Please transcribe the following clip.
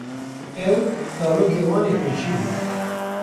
Ew zarokê wan ê pêşî bû.